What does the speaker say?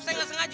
saya gak sengaja